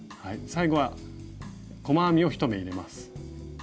最後は細編みを１目入れます。